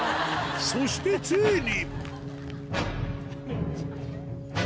そしてついに！